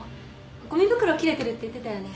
ゴミ袋切れてるって言ってたよね？